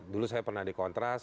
dulu saya pernah di kontras